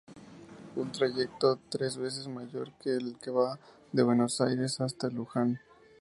Un trayecto tres veces mayor que el que va de Buenos Aires hasta Luján.